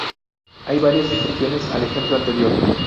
Hay varias excepciones al ejemplo anterior.